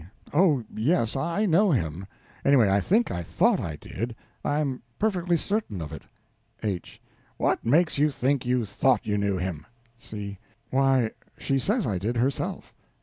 Oh yes, I know him; anyway, I think I thought I did; I'm perfectly certain of it. H. What makes you think you thought you knew him? C. Why, she says I did, herself.